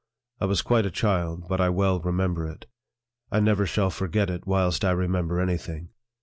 I was quite a child, but I well remember it. I never shall forget it whilst I remember any thing.